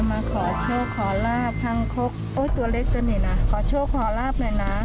เอามุ่งออกดิขอหน่อย